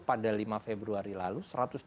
pada lima februari lalu satu ratus tujuh puluh enam